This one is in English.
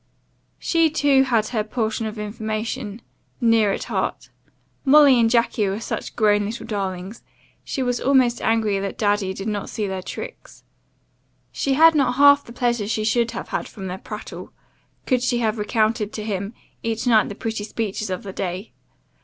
"She too had her portion of information, near at heart. Molly and Jacky were grown such little darlings, she was almost angry that daddy did not see their tricks. She had not half the pleasure she should have had from their prattle, could she have recounted to him each night the pretty speeches of the day.